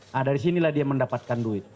nah dari sinilah dia mendapatkan duit